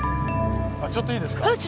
あちょっといいですか？